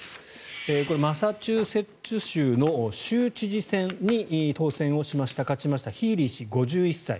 マサチューセッツ州の州知事選に当選をしました、勝ちましたヒーリー氏、５１歳。